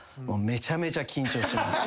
めちゃめちゃ緊張してます。